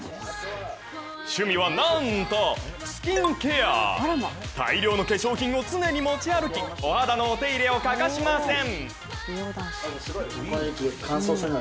趣味はなんと、スキンケア大量の化粧品を常に持ち歩き、お肌のお手入れを欠かしません。